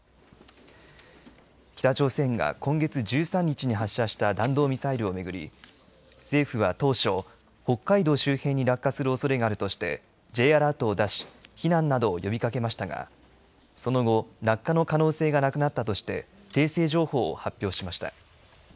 北朝鮮が今月１３日に発射した弾道ミサイルを巡り政府は当初北海道周辺に落下するおそれがあるとしてＪアラートを出し避難などを呼びかけましたがその後、落下の可能性がなくなったとして訂正情報を発表しました。